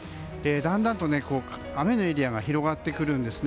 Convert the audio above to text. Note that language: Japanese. だんだんと雨のエリアが広がってくるんです。